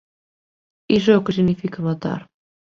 Iso é o que significa matar.